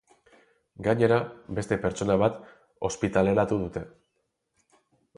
Gainera, beste pertsona bat ospitaleratu dute.